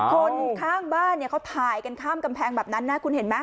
คนข้างบ้านเนี่ยเขาถ่ายกันข้ามกำแพงแบบนั้นนะคุณเห็นไหม